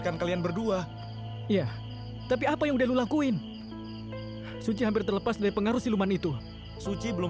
kenapa ibu tega berbuat seperti itu bu